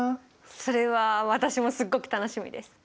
それは私もすっごく楽しみです。